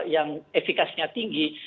yang efekasinya tinggi